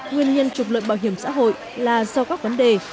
nguyên nhân trục lợi bảo hiểm xã hội là do các vấn đề